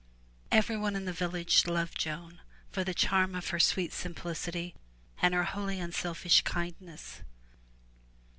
Every one in the village loved Joan for the charm of her sweet simplicity and her wholly unselfish kindness.